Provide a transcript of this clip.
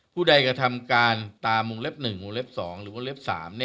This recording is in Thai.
ผู้ใดกระทำการตามวงเล็บ๑วงเล็บ๒หรือวงเล็บ๓